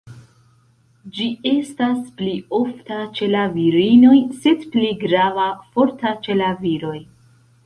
Ĝi estas pli ofta ĉe la virinoj, sed pli grava, forta ĉe la viroj.